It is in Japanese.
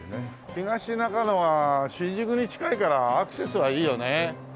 東中野は新宿に近いからアクセスはいいよね。